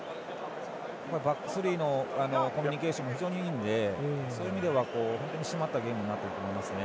バックスリーのコミュニケーションも非常にいいのでそういう意味では非常に締まったゲームになっていると思います。